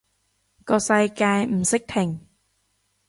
個世界唔識停